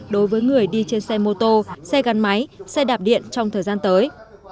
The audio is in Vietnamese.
đối với người đi trên xe mô tô xe gắn máy xe đạp điện trong thời gian tới